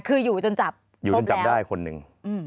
คืออยู่จนจับอยู่จนจับได้คนหนึ่ง